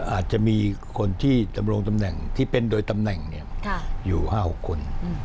อาจจะมีคนที่ดำรงตำแหน่งที่เป็นโดยตำแหน่งอยู่๕๖คน